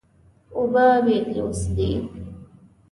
اوبه بېلوث دي.